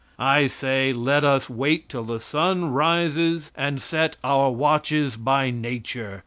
I say let us wait till the sun rises and set our watches by nature.